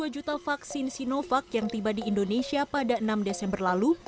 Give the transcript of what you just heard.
dua puluh dua juta vaksin sinovac yang tiba di indonesia pada enam desember lalu